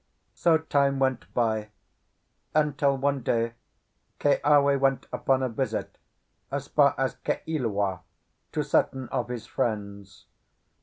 So time went by, until one day Keawe went upon a visit as far as Kailua to certain of his friends.